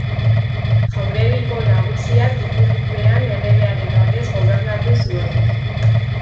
Jauregiko Nagusia titulupean, erregearen ordez gobernatu zuen.